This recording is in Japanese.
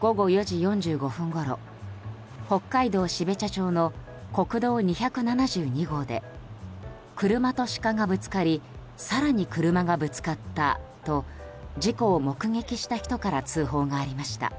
午後４時４５分ごろ北海道標茶町の国道２７２号で車とシカがぶつかり更に車がぶつかったと事故を目撃した人から通報がありました。